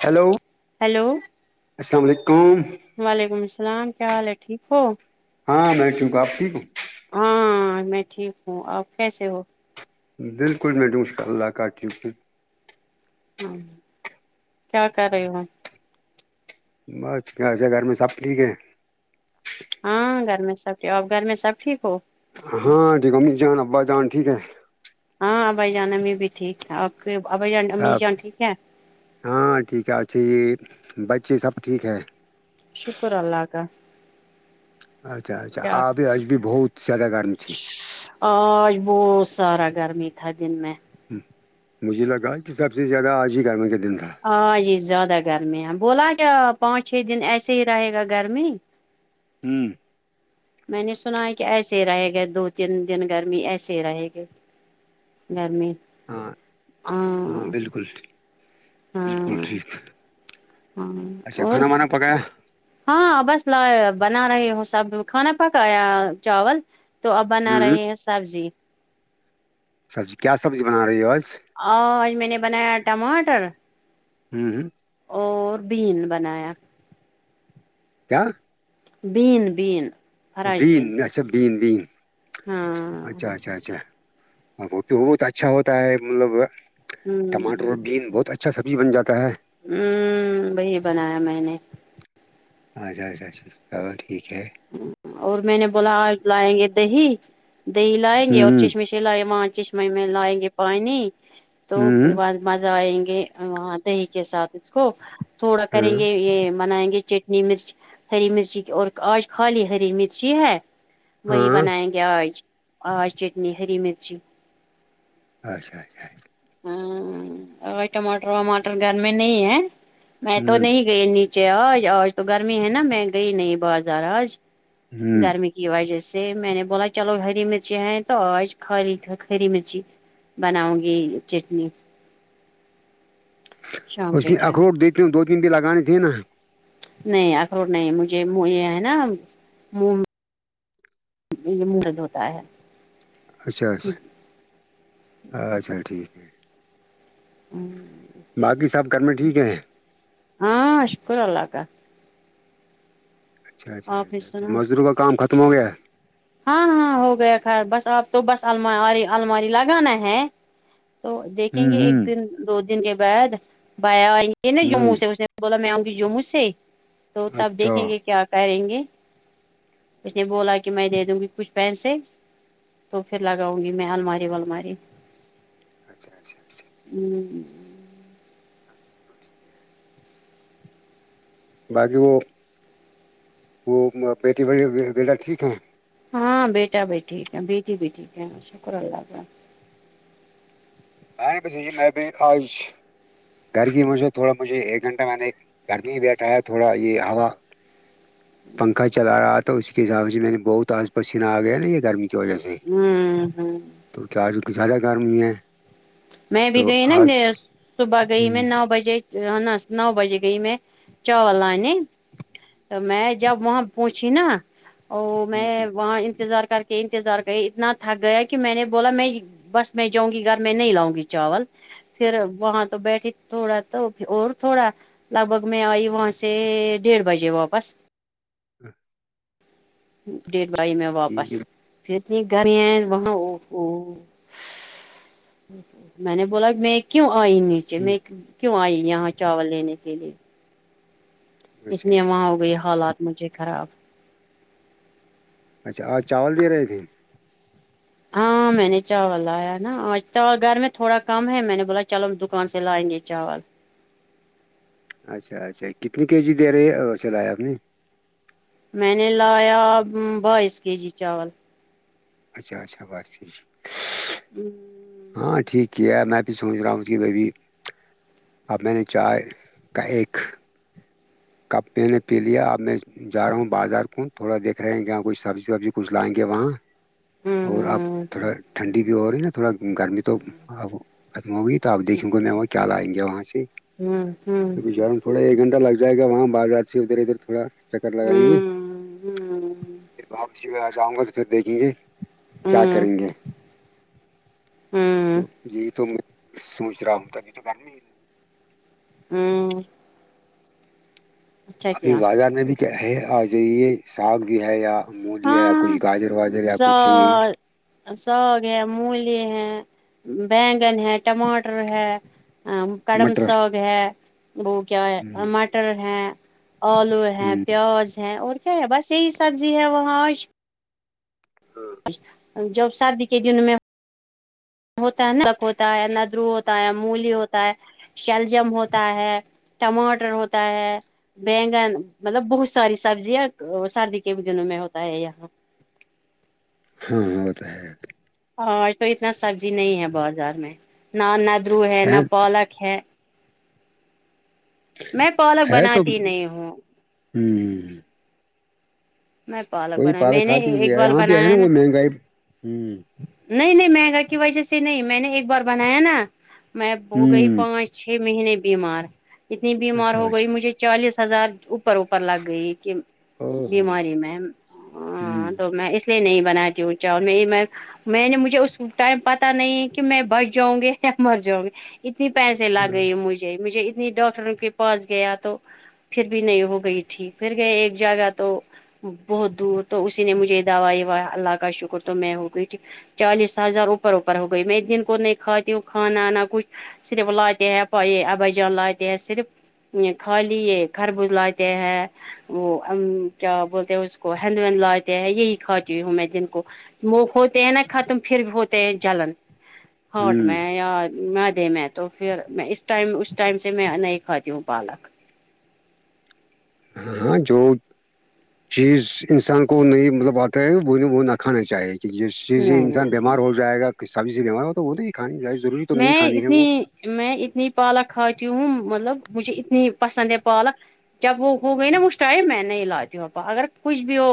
Hello hello السلام علیکم وعلیکم السلام کیا حال ہے ٹھیک ہو ہاں میں چوںک آپ ٹھیک ہوں ہاں میں ٹھیک ہوں آپ کیسے ہو بالکل میں ڈوں شا اللہ کاات ہاں کیا کر رہے ہو بس کیاسے گھر میں سب ٹھیک ہے ہاں گھر میں سب اور گھر میں سب ٹھیک ہو ہاں ٹھیکمی جان آبا جان ٹھیک ہے ہاں آبھائی جان امی بھی ٹھیک ہے آ ابائی جان امییر سب جان ٹھیک ہے ہاں ٹھیک اھ یہی بچے سب ٹھیک ہے شکر اللہ کا اچھا اچھا کیا آب اج بھی بہت زیادہ گرمی ہے آج بہت سارا گرمی تھا دن میں مجھے لگا کہ سب سے زیادہ آج ہی گرما کا دن تھا ہاں جی زیادہ گرمی ہے بولا کیا پانچ چھ دن ایسے ہی رہے گا گرمی ہوں میں نے سنا ہے کہ ایسے رہے گئے دو تین دن گرمی ایسے رہے گئے گرمی ہاں ہاں بالکل بالکل ہاں ٹھیک ہاں اچھا اور کھانا وانا پکایا ہاں بس ل بنا رہی ہوں سب کھانا پکایا چاول تو اب بنا ہوں رہے ہیں سبزی سبزی کیا سبزی بنا رہیے اورو آج میں نے بنایا ٹماٹر ہمم ہمم اور بھیین بنایا کیا بین بین بین اچھا بین بین ہاں اچھا اچھا اچھا اور وہ پ بہت اچھا ہوتا ہے مطلب ہوں ٹماٹر اور بین بہت اچھا اچھا سبزی بناتا ہے ہوں وہی بنایا میں نے اچھا اچا اچھا چلو ٹھیک ہے اور میں نے بولا آج لائیں گے دہی دہی لائیں گے اور ہوں چشمش ل وہاں چشمہ میں لائیں گے پانی تو ہوں مزہ آئیں گے وہ دہی کے ساتھ اس کو تھوڑا کریں ہاں گے یہ منائیں گے چ ہری مرچ ہری مرچی کی اور آج کھا لی ہری مرچی ہے وہی ہاں بنائیں گے آج آج چٹنی ہری مرچی اچھا اچھاچھا ہاں ا ٹماٹر وماٹر گھر میں نہیں ہے میں تو ہوں نہیں گئی نیچے آج آج تو گرمی ہے نا میں گئی نہیں بازار آج ہوں گرمی کی وجہ سے میں نے بولا چلو ہری مرچی ہیں تو آج کھا لی ہری مرچی بناؤ گی چٹنی شام اس کے ٹائم اخروٹ دیتی ہوں دو تین بھی لگانے تھے نا نہیں اخروٹ نہیں مجھے یہ ہے نا یہ مہورت ہوتا ہے اچھا اچھا اچھا ٹھیک ہے [inaudible] باقی سب کر میں ٹھیک ہیں ہاں شکور اللہ کا اچھا اچھا آپ ہی اچھا اچھا سنا مزدوروں کام ختم ہو گیا ہاں ہاں ہو گیا خراب بس اب تو بس الماری الماری لگانا ہے تو دیکھیں ہوں گے ایک ہوں دن دو دن کے بعد بایا آئیں گے نا ہوں جموں سے اسے بولا میں آؤں گی جموں سے تو تب اچھا دیکھیں گے کیا پیں گے اس نے بولا کہ میں دے دوں گی کچھ پینسے تو پھر لگاؤں گی میں الماری والماری اچھا اچھا اچھا ہوں تو ٹھیک ہے باقی وہ وہ بیٹی بٹی و ٹھیک ہیں ہاں بیٹا بھی ٹھیک ہے بیٹی بھی ٹھیک ہے شکر اللہ ت س میں بھی آج گھر کی مجہ تھوڑا مجھے ایک گھنٹہ میں نے گرمی بیٹھا ہے تھوڑا یہ ہوا پنکھا چلا رہا تھا اس کے حساب سے میں نے بہت آس پسین آ گیا نا یہ گرمی کی وجہ سے ہوں ہوں تو کیا آج کی زیادہ کارمی ہے میں بھی تو گئی نا آج صبح گئی ہوں میں نو بجے انس نو بجے گ میں چاول لانے تو میں جب وہاں پہنچی نا ا میں ہوں وہاں انتظار کر کے انتظار کرے اتنا تھک گیا کہ میں نے بولا میں بس میں جاؤں گی گھر میں نہیں لاؤ گی ی چاول پھر وہاں تو بیٹھی تھوڑا تو اور تھوڑا لگ بھگ میں آئی وہاں سے ڈیڑھ بجے واپس [inaudible] ڈیکھ بھائی میں جی واپس جی پھر اتنی گھریا وہاں میں نے بولا میں کیوں آئی نیچے میں ٹھیک کیوں آئی یہاں چاول لینے کے لیے اچھا اتنی اچھا وہاں ہو گئی حالات مجھے خراب اچھا اورج چاول دے رہے تھے ہاں میں نے چاول لایا ہے نا گھر میں تھوڑا کم ہے میں نے بولا چلو دکان سے لائیں گے چاول اچھا اچھا کتنی کے جی دے رہے ہیں چلایا آپ نے میں نے لایا بائیس کے جی چاول اچھا اچھا باس ہوں ہاں ٹھیک کیا ہے میں بھی سوچ رہا ہوں کہ بھبھی اب میں نے چائے کا ایک کب پینے پی لیا ا میں جا رہا ہوں بازار کو تھوڑا دیکھ رہے ہیں کہاں کوئی سبزی وبزی کچھ لائیں گے وہاں اور اب ہوں تھوڑا ٹھنڈی بھی ہو رہی ہے نا تھوڑا گرمی تو اب ختم ہوگئی تو اب دیکھیں گے میں وہ کیا لائیں گے وہاں سے ہاں ہوں کیونکہ جا رہا ہوں، تھوڑا ایک گھنٹہ لگ جائے گا وہاں بازار سے ادھر ادھر تھوڑا چکر لگائیں گی ہوں پھر واپی و آ جاؤں گا تو پھر دیکھیں گے کیا ہوں کریں گے تو ہوں یہی تو سوچ رہا ہوں تبھی تو گرمی ہی نہیں ہاں اچھا ابھی کیا بازار میں بھی کہ ہے آ جائیے ساگ بھی ہے یا ا مول یا یا کچھ ہاں گاجر واجر یا کچھ صاہ یہی سار ساگ ہے مولی ہے بیگن ہے ٹماٹر ہے کڑم مٹر ساگ ہے وہ کیا ہ مٹر ہے آلو ہے پیاز ہے اور کیا ہے بس یہی سبزی ہے وہاں ہاں جوب سردی کے دن میں ہوتا ہے نک ہوتا ہے ندرو ہوتا ہے مولی ہوتا ہے شلجم ہوتا ہے ٹماٹر ہوتا ہے بینگن مطلب بہت ساری سبزیاں سردی کے دنوں میں ہوتا ہے یہاں ہاں وہ تو ہے ہاں تو اتنا سبزی نہیں ہے بازار میں نہ ندرو ہے نہ پالک ہے میں پالک ہے تو بناتی نہیں ہوں ہوں ہ ہ میں پالک بنایا میں نے کھاتی ہوئی ایک ہے بار یہاں بھی ہے بنایا نا وہ مہنگائی ہوں نہیں نہیں مہنگا کی وجہ سے نہیں میں نے ایک بار بنایا نا میں ہو گئی ہوں پہچ چھ مہینے بیمار اتنی بیمار اچھا ہو گئی اچھا مجھے چالیس ہزار اوپر اوپر لگ گئی کہ ا ہ ہ تو میں اس لیے نہیں بناتی ہوں اونچا اور میری میں میں نے مجھے اس ٹائم پتاہ نہیں کہ میں بچ جاؤں گی مر جاؤں گی اتنی پیسے لگے مجھے مجھے اپنی ڈاکٹر کے پاس گیا تو پھر بھی نہیں ہو گئی تھی پھر گئے ایک جگہ تو بہت دور تو اسی نے مجھے یہ دواا اللہ کا شکر تو میں ہو گئی ٹھیک چالیس ہزار اوپر اوپر ہو گئی میں ا دن کو نہیں کھاتی ہوں کھانا نہ کچھ صرف لاتے ہیں پائی ابائی جان لاتے ہیں صرف خالی یہ گھر بزلاتے ہیں وہ کیا ب اس کو ہینند وینند لاتے ہیں یہی کاتی ہوں میں جن کو موک ہوتے ہیں نا ختم پھر بھی ہوتے ہیں جلن ہٹ م ہوں ادے م تو پھر میں اس ٹائم اس ٹائم سے میں نہیں کھاتی ہوں پالک ہاں ہاں جو چیز انسان کو نہیں مطلب آتا ہے وہ وہ نہ کھانا چاہیے کہی جیے نہیں نہیں انسان بیمار ہو جائے گا کسابی سے بیمار ہو تو وہ نہیں کھانی ضروری تو نہیں میں کھانی ہے اتنی وہ میں اتنی پالک کھاتی ہوں مطلب مجھے اتنی پسند ہے پالک جب وہ ہو گئی نا وہٹائے میں نہیں لاتی ہوں اگر کچھ بھی ہو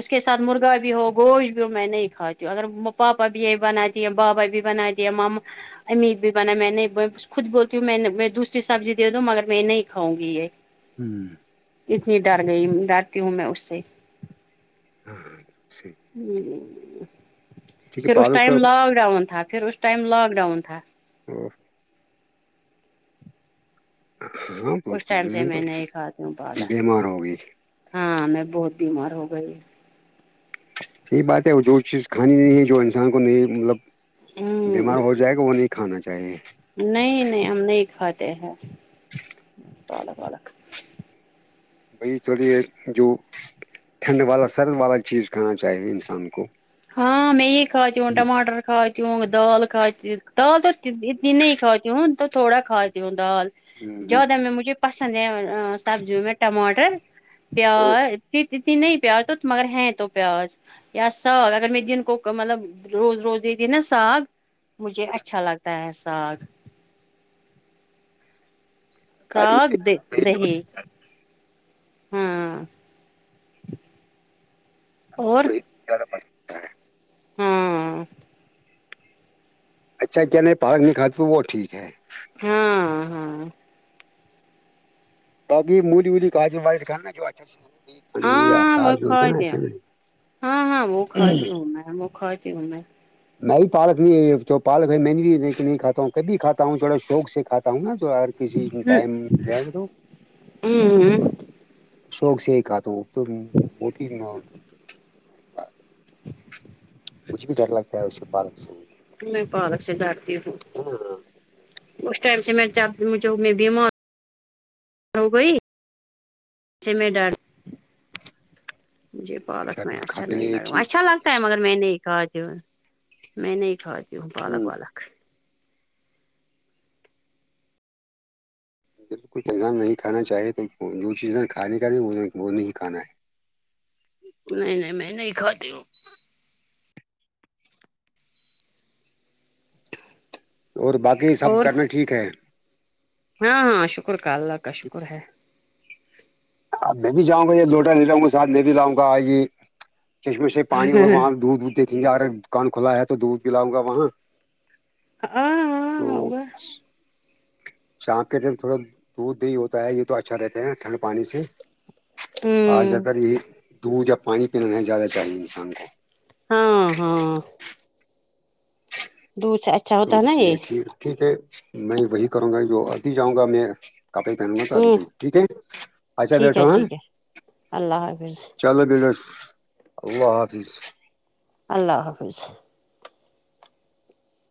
اس کے ساتھ مرغا بھی ہو گوشت بھی ہو میں نہیں کاتی ہوں اگر پاپا بھی یہی بنات بابا بھی بنا دیا ماما امی بھی بنا میں نہیں خود بولتی ہوں میں میں دوسری سبزی دے دوں مگر میں یہ نہیں کھاں گی یہ ہوں اتنی ڈر گئی رہتی ہوں میں اس سے ہ [inaudible] جی ج [unintelligible] ٹھیک ہے پھر اس پالک ٹائم تو لاک ڈاؤن تھا پھر اس ٹائم لاک ڈاؤن تھا اورو [unintelligible] ہاں اس ٹائم سے میں تو نہیں کھاتی ہوں پالا بیمار ہوگئی ہاں میں بہت بیمار ہو گئی صحیح بات ہے وہ جو چیز کھانی نہیں جو انسان کو نہیں مطلب ہوں بیمار ہو جائے گا وہ نہیں کھانا چاہیے نہیں نہیں ہم نہیں کھاتے ہیں بی چوڑ یہ جو ٹھنڈ والا سرد والا چیز کھانا چاہیے انسان کو ہاں مگ کاؤی ہ ماٹر کاؤچ وں دال کھاتی دال تو اتنی نہیں کھاتیوں تو تھوڑا کھاتی ہوں دال زیادہ میں مجھے پسند ہے سبزیوں میں ٹماٹر پیا دت ن پیاز تو مگر ہ تو پیازیاس ساگ اگر میں دن کک مطلب روز روز دن نا ساگ مجھے اچھا لگتا ہے ساگ ساگ د دہی ہاں اور کو پاس [unintelligible] ہاں اچھا کیا نہیں پا نہیں کھاتا وہ ٹھیک ہے ہاں ہاں بااکہ مولی ولی کاغج وا کرا جوچ ہاں ہاں وہ کھی ہ ہاں ہاں وہ کھاتی نہیں۔ ہوں میں وہ کھاتی ہوں میں میں بھی پالک نہیں جو پالک ہے میں بھی نہیں کاتاوں کبھی کھاتا ہوں تھوڑا شوق سے کاتا ہوں نا جو کسی میں ٹائم مل جائے گا تو ہوں شوق سے ہی کہ تو تو بٹ ن [unintelligible] مجھ بھی ڈر لگتا ہے اسے پارک سے ہی [unintelligible] میں پالک سے ڈٹتی ہوں اس ٹائم سے میں جب میں بیمار ہو گئی ج ڈ [unintelligible] مجھے پالک میں اچھا نہیں لگا اچھا لگتا ہے مگر میں نے کہا جو میں نہیں کھاتی ہوں پالک والک بالکل انسان نہیں کھانا چاہے تو جو چیزیں کھانے کایں وہ وہ نہیں کھانا ہے نہیں نہیں میں نہیں کھاتی ہوں اور باقی سب اور کرنا ٹھیک ہے ہاں ہاں شکر کا اللہ کا شکر ہے اب میں بھی جاؤں گا یہ لوٹا لے جاؤں گا سھ میں بھی لاؤں گا آ یہ چشمے سے پانی اور وہاں دودھ وھ دیکھیں گے ا دکان کھلا ہے تو دودھ پلاؤں گا وہاں ہاں ا ہاں [inaudible] ہوگا شام کے ٹائم تھوڑا دودھ دہی ہوتا ہے یہ تو اچھا رہتا ہے ٹھنڈ پانی سے آ زہ ہوں تر یہ دودھ یا پانی پینا نہیں زیادہ چاہیے انسان کو ہاں ہاں دو چار تو اس لیےیک ٹھیک ہے میں وہی کروں گا جو آبھی جاؤں گا میں کپڑی پہنا تو ابھی ہ جو ٹھیک ہے اچھا ٹھیک ہے بیٹھو ہ ٹھیک ہے اللہ حافظ چلو ب اللہ حافظ اللہ حافظ